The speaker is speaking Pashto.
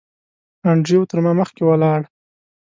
انډریو تر ما مخکې ولاړ.